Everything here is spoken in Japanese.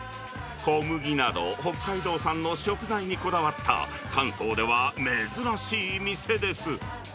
小麦など北海道産の食材にこだわった、関東では珍しい店です。